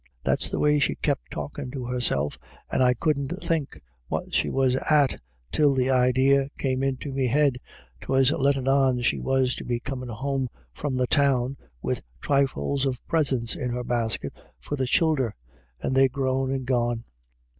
That's the way she kep' talkin' to herself, and I couldn't think what she was at, till the idee came into me head 'twas lettin' on she was to be comin' home from the Town, wid 156 IRISH IDYLLS. thrifles of presents in her basket for the childher — and they grown and gone.